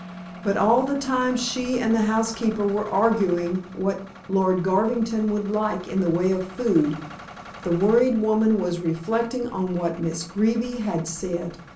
But all the time she and the housekeeper were arguing what Lord Garvington would like in the way of food, the worried woman was reflecting on what Miss Greeby had said.